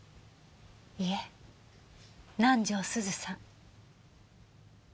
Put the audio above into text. いえ南条すずさん。